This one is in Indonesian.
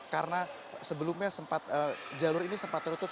karena sebelumnya jalur ini sempat terutup